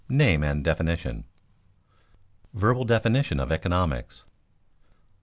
NAME AND DEFINITION [Sidenote: Verbal definition of economics] 1.